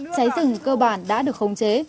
cháy rừng cơ bản đã được khống chế